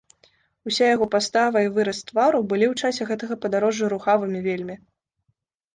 Уся яго пастава і выраз твару былі ў часе гэтага падарожжа рухавымі вельмі.